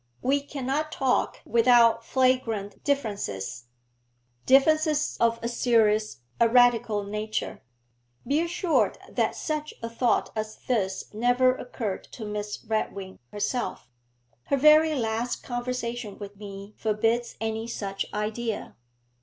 We cannot talk without flagrant differences differences of a serious, a radical nature. Be assured that such a thought as this never occurred to Miss Redwing herself; her very last conversation with me forbids any such idea.'